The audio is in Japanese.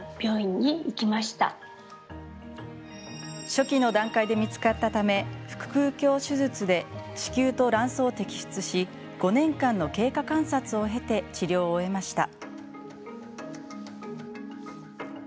初期の段階で見つかったため腹くう鏡手術で子宮と卵巣を摘出し５年間の経過観察を経て治療を終えました。